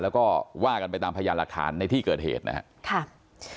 แล้วก็ว่ากันไปตามพยานหลักฐานในที่เกิดเหตุนะครับ